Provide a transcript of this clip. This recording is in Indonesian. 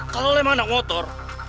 kalau lo emang anak motor